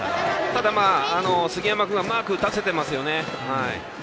ただ、杉山君はうまく打たせてますよね。